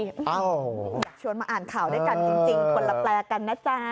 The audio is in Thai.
อยากชวนมาอ่านข่าวด้วยกันจริงคนละแปลกันนะจ๊ะ